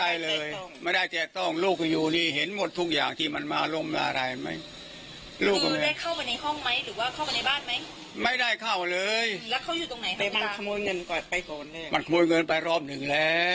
ยายก็บอกว่าใครจะกล้าทำเอง